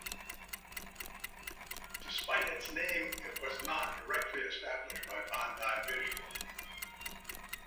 Despite its name it was not directly established by Bandai Visual.